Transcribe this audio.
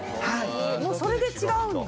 もうそれで違うんだ？